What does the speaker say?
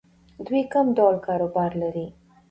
دوی کوم ډول کاروبار لري؟